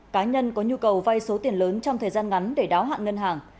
cá nhân có nhu cầu vay số tiền lớn trong thời gian ngắn để đáo hạn ngân hàng